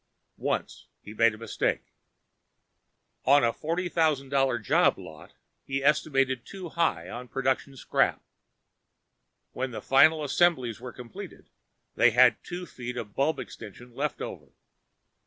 Once, he made a mistake. On a forty thousand dollar job lot he estimated too high on production scrap. When the final assemblies were completed, they had two feet of bulb extension left over.